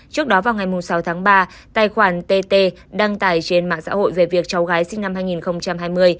trước đó vào ngày sáu tháng ba tài khoản tt đăng tải trên mạng xã hội về việc cháu gái sinh năm hai nghìn hai mươi